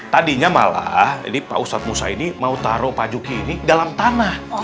tadinya malah ini pak ustadz musa ini mau taruh pak juki ini dalam tanah